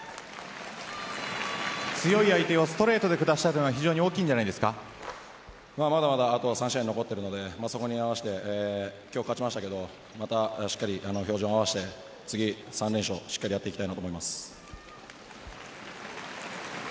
強い相手をストレートで下したのはまだまだあと３試合残っているのでそこに合わせて今日勝ちましたがまたしっかり照準を合わせて次、３連戦しっかりやっていきたいと思います。